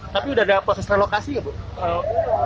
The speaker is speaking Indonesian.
tapi sudah ada proses relokasi nggak bu